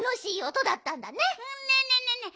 ねえねえねえねえ